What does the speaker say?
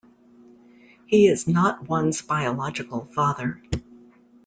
He is not one's biological father.